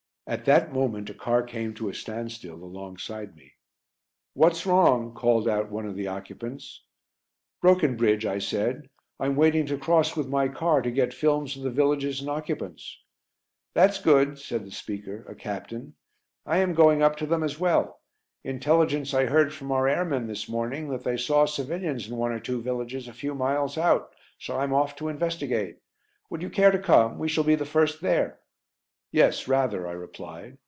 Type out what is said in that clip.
At that moment a car came to a standstill alongside me. "What's wrong?" called out one of the occupants. "Broken bridge," I said. "I'm waiting to cross with my car to get films of the villages and the occupants." "That's good," said the speaker, a captain. "I am going up to them as well. Intelligence I heard from our airmen this morning that they saw civilians in one or two villages a few miles out so I'm off to investigate. Would you care to come? We shall be the first there." "Yes, rather," I replied.